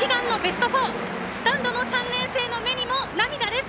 スタンドの３年生の目にも涙です。